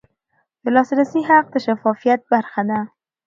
د لاسرسي حق د شفافیت برخه ده.